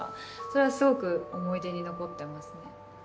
それはすごく思い出に残ってますね。